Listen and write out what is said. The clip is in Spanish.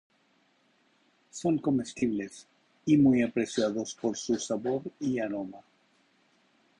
Son comestibles y muy apreciados por su sabor y aroma.